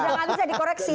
udah gak bisa dikoreksi